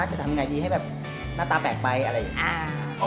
จะทำไงดีให้แบบหน้าตาแปลกไปอะไรอย่างนี้